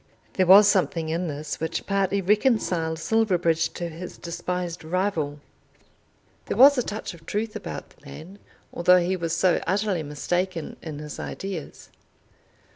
There was something in this which partly reconciled Silverbridge to his despised rival. There was a touch of truth about the man, though he was so utterly mistaken in his ideas.